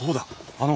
あの。